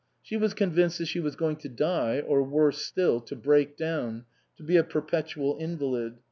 She was convinced that she was going to die, or worse still, to break down, to be a perpetual invalid.